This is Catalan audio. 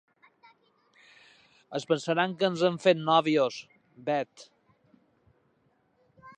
Es pensaran que ens hem fet nòvios, Bet.